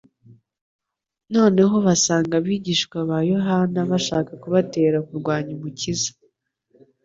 Noneho basanga abigishwa ba Yohana bashaka kubatera kurwanya Umukiza.